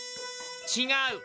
ちがう。